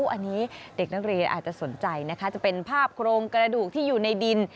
อันนี้เด็กนักเรียนอาจจะสนใจนะคะจะเป็นภาพโครงกระดูกที่อยู่ในดิน